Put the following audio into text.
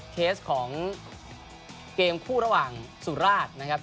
เคสของเกมคู่ระหว่างสุราชนะครับ